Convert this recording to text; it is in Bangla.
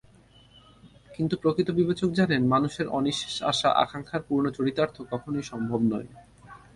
কিন্তু প্রকৃত বিবেচক জানেন, মানুষের অনিঃশেষ আশা-আকাঙ্ক্ষার পূর্ণ চরিতার্থতা কখনোই সম্ভব নয়।